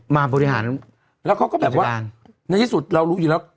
มาบริหารแล้วเขาก็แบบว่าในที่สุดเรารู้อยู่แล้ว